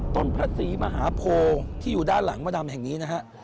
พระศรีมหาโพที่อยู่ด้านหลังมดำแห่งนี้นะฮะ